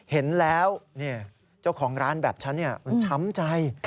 เห็นแล้วเจ้าของร้านแบบฉันมันช้ำใจ